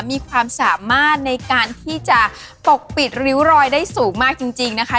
มีความสามารถในการที่จะปกปิดริ้วรอยได้สูงมากจริงนะคะ